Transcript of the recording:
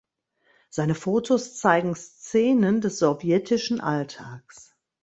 Seine Fotos zeigen Szenen des sowjetischen Alltags.